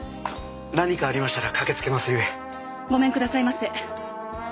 何かありましたら駆けつけますゆえごめんくださいませ